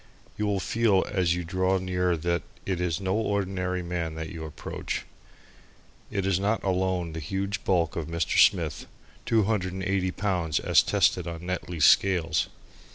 You will feel as you draw near that it is no ordinary man that you approach. It is not alone the huge bulk of Mr. Smith (two hundred and eighty pounds as tested on Netley's scales).